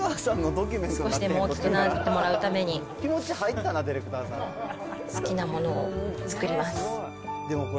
少しでも大きくなってもらうために、好きなものを作ります。